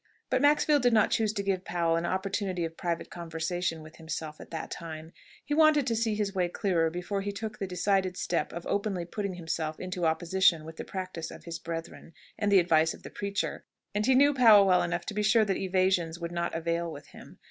But Maxfield did not choose to give Powell an opportunity of private conversation with himself at that time; he wanted to see his way clearer before he took the decided step of openly putting himself into opposition with the practice of his brethren, and the advice of the preacher; and he knew Powell well enough to be sure that evasions would not avail with him.